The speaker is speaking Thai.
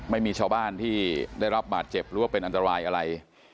ไม่มีชาวบ้านที่ได้รับบาดเจ็บหรือว่าเป็นอันตรายอะไร